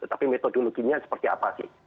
tetapi metodologinya seperti apa sih